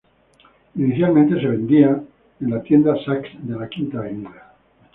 Inicialmente se vendían en la tienda Saks de la Quinta Avenida.